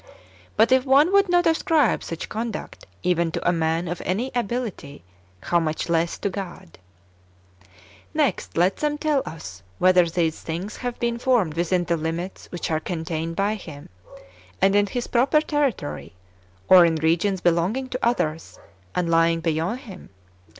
But if one would not ascribe such conduct even to a man of any ability, how much less to God ! 2. Next let them tell us whether these things have been formed within the limits which are contained by Him, and in His proper territory, or in regions belonging to others, and lying beyond Him